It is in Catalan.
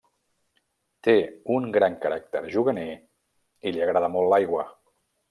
Té un gran caràcter juganer i li agrada molt l'aigua.